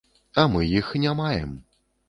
А мы іх не маем.